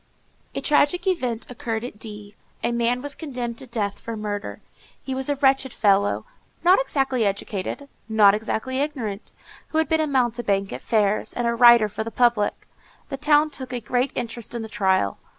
A tragic event occurred at D—— A man was condemned to death for murder. He was a wretched fellow, not exactly educated, not exactly ignorant, who had been a mountebank at fairs, and a writer for the public. The town took a great interest in the trial.